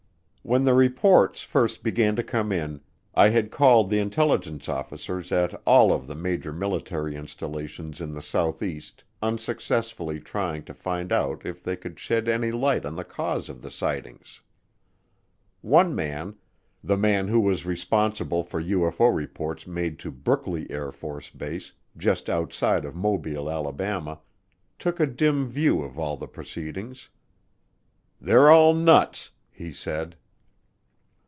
When the reports first began to come in, I had called the intelligence officers at all of the major military installations in the Southeast unsuccessfully trying to find out if they could shed any light on the cause of the sightings. One man, the man who was responsible for UFO reports made to Brookley AFB, just outside of Mobile, Alabama, took a dim view of all of the proceedings. "They're all nuts," he said.